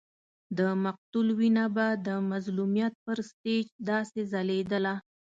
د مقتول وینه به د مظلومیت پر سټېج داسې ځلېدله.